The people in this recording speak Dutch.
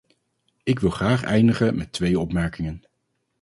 Ik wil graag eindigen met twee opmerkingen.